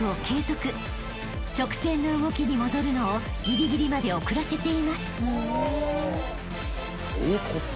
［直線の動きに戻るのをぎりぎりまで遅らせています］